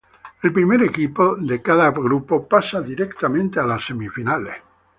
El primer equipo de cada grupo pasa directamente a las semifinales.